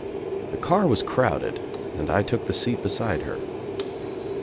The car was crowded and I took the seat beside her.